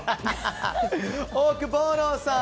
オオクボーノさん